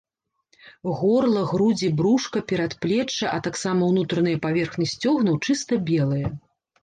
Горла, грудзі, брушка, перадплечча, а таксама ўнутраныя паверхні сцёгнаў чыста белыя.